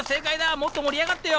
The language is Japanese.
もっと盛り上がってよ！